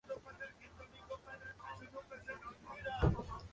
Su caudal suele presentar crecidas considerables cada cincuenta años, aproximadamente.